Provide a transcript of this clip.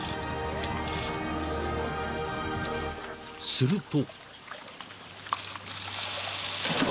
［すると］